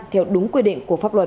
theo đúng quy định của pháp luật